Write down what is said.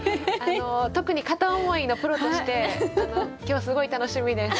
特に片思いのプロとして今日すごい楽しみです。